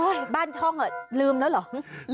บ้านช่องลืมแล้วเหรอ